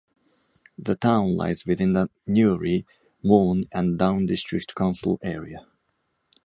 The town lies within the Newry, Mourne and Down District Council area.